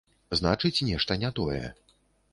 Значыць, нешта не тое.